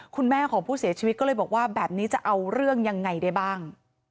คุณแม่ของผู้เสียชีวิตก็เลยบอกว่าแบบนี้จะเอาเรื่องยังไงได้บ้าง